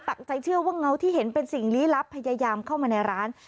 ใจเชื่อว่าเงาที่เห็นเป็นสิ่งลี้ลับพยายามเข้ามาในร้าน